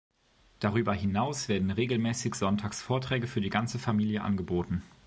Darüber hinaus werden regelmäßig sonntags Vorträge für die ganze Familie angeboten.